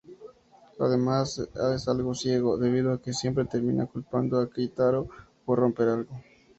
Además es algo ciego, debido que siempre termina culpando a Keitaro por romper algo.